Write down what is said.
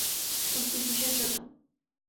শক্তি, কিসের জন্য?